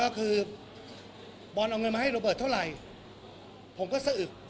แล้วก็คือบอลเอาเงินมาให้เราเบิร์ดเท่าไรผมก็สื่ออึก